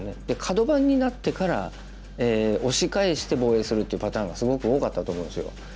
でカド番になってから押し返して防衛するっていうパターンがすごく多かったと思うんですよ。